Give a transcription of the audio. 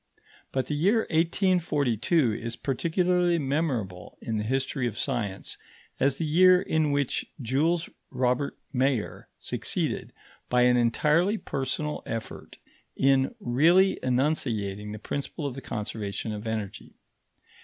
But the year 1842 is particularly memorable in the history of science as the year in which Jules Robert Mayer succeeded, by an entirely personal effort, in really enunciating the principle of the conservation of energy.